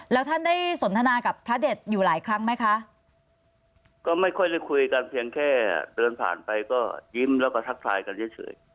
แล้วท่านได้สนทนากับพระเด็ดอยู่หลายครั้งไหมคะก็ไม่ค่อยได้คุยกันเพียงแค่เดินผ่านไปก็ยิ้มแล้วก็ทักทายกันเฉย